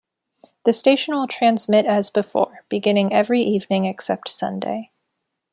The station will transmit as before beginning every evening, except Sunday.